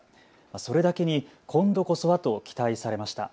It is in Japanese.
それだけに今度こそはと期待されました。